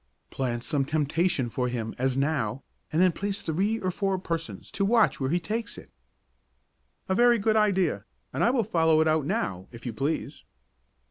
"Plant some temptation for him, as now, and then place three or four persons to watch where he takes it." "A very good idea, and I will follow it out now, if you please.